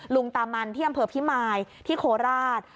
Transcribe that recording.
ลุงตามันที่อำเภอพิมายที่โคราช